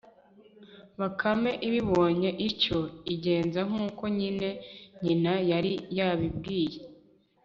bakame ibibonye ityo, igenza nk'uko nyine nyina yari yayibwiye